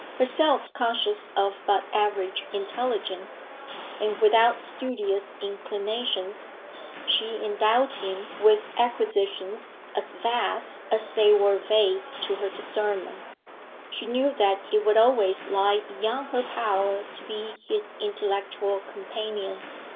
Herself conscious of but average intelligence, and without studious inclinations, she endowed him with acquisitions as vast as they were vague to her discernment; she knew that it would always lie beyond her power to be his intellectual companion.